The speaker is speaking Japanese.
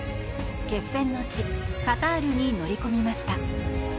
決戦の地、カタールに乗り込みました。